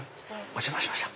お邪魔しました。